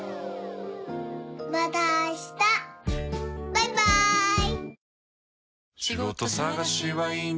バイバーイ。